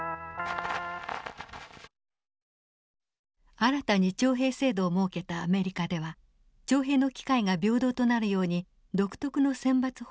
新たに徴兵制度を設けたアメリカでは徴兵の機会が平等となるように独特の選抜方式を採用しました。